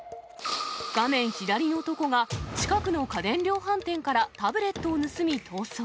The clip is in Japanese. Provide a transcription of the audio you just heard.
画面左の男が、近くの家電量販店からタブレットを盗み逃走。